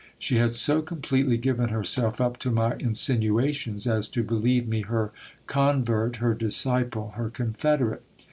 She had so completely given herself up to my insinuations, as to believe me her convert, her disciple, her confederate.